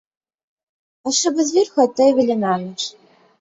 А шыбы зверху адтайвалі на ноч.